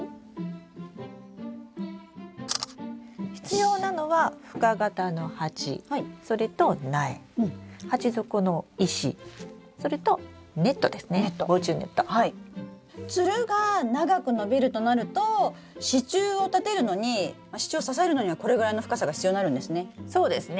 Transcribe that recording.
必要なのは深型の鉢それとつるが長く伸びるとなると支柱を立てるのに支柱を支えるのにはこれぐらいの深さが必要になるんですね？